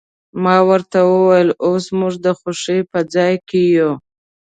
ما ورته وویل، اوس زموږ د خوښۍ په ځای کې یو.